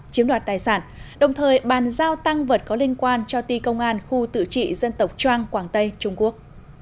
chiếm đoạt tài sản đồng thời bàn giao tăng vật có liên quan cho ti công an khu tự trị dân tộc trang quảng tây trung quốc